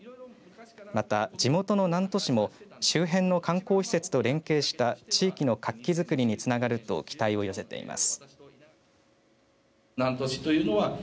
また、地元の南砺市も周辺の観光施設と連携した地域の活気作りにつながると期待を寄せています。